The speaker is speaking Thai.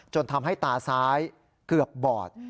ทำให้ตาซ้ายเกือบบอด